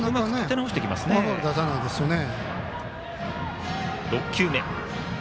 なかなかフォアボール出さないですね。